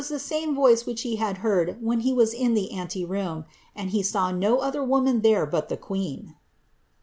c same voice wiiich he had heard when he was in the ante room, and he saw no other woman there but the queen."'